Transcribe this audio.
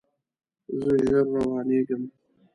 زه ژر روانیږم